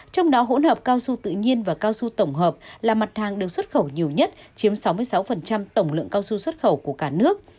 trong đó hỗn hợp cao su tự nhiên và cao su tổng hợp là mặt hàng được xuất khẩu nhiều nhất chiếm sáu mươi sáu tổng lượng cao su xuất khẩu của cả nước